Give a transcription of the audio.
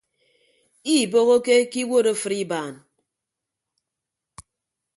Iibohoke ke iwuot afịt ibaan.